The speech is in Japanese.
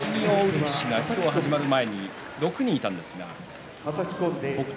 ５勝１敗、錦木を追う力士が今日始まる前に６人いたんですが北勝